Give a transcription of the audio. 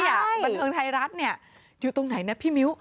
บันเทิงไทยรัฐอยู่ตรงไหนนะพี่มิ้ว